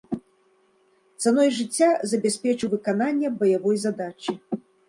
Цаной жыцця забяспечыў выкананне баявой задачы.